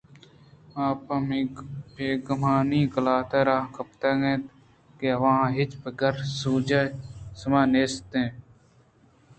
آ پہ بے گُمانی قلات ءِ راہ ءَ پیداک اِت اَنت کہ آوان ءَ ہچ پکر ءُسماے پِرنیست اَت